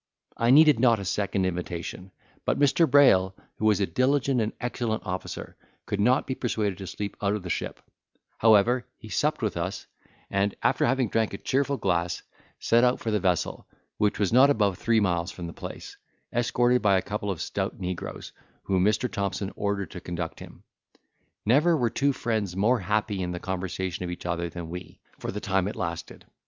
I needed not a second invitation; but Mr. Brayl, who was a diligent and excellent officer, could not be persuaded to sleep out of the ship; however, he supped with us, and, after having drank a cheerful glass, set out for the vessel, which was not above three miles from the place, escorted by a couple of stout negroes, whom Mr. Thompson ordered to conduct him. Never were two friends more happy in the conversation of each other than we, for the time it lasted.